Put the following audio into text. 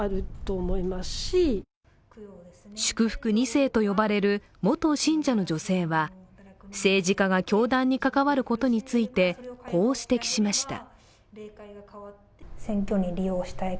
２世と呼ばれる元信者の女性は政治家が教団に関わることについてこう指摘しました。